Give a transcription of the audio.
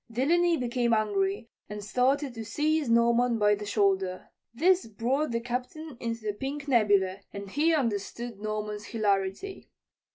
Delany became angry and started to seize Norman by the shoulder. This brought the Captain into the pink nebula and he understood Norman's hilarity.